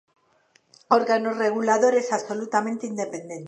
Órganos reguladores absolutamente independentes.